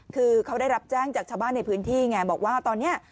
คือเขาได้รับแจ้งจากชาวบ้านในพื้นที่ไงบอกว่าตอนนี้